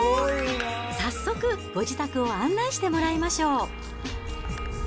早速、ご自宅を案内してもらいましょう。